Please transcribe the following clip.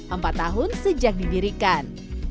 empat tahun sejak didirikan